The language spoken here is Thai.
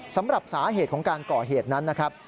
สำหรับสาเหตุของการก่อเหตุนั้นนะครับ